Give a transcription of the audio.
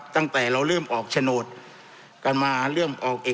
ตั้งแต่เราเริ่มออกชนดกันมาเริ่มออกเอกสารสิทธิ์ที่เรียกว่าชนดที่ดิน